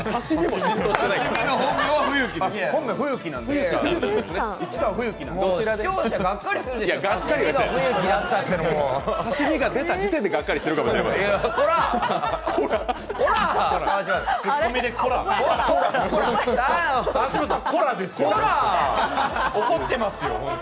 刺身が出た時点でがっかりしているかもしれません。